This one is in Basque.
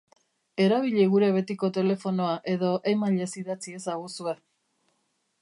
Erabili gure betiko telefonoa edo emailez idatz iezaguzue.